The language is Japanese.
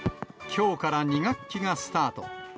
きょうから２学期がスタート。